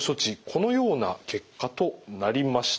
このような結果となりました。